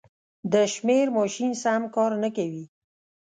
د شمېر ماشین سم کار نه کوي.